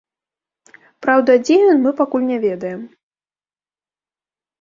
Праўда, дзе ён, мы пакуль не ведаем.